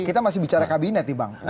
kita masih bicara kabinet nih bang